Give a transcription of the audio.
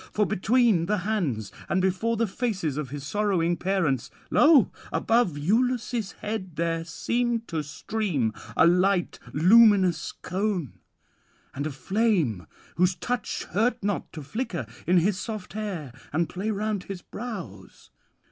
For, between the hands and before the faces of his sorrowing parents, lo! above Iülus' head there seemed to stream a light luminous cone, and a flame whose touch hurt not to flicker in his soft hair and play round his brows.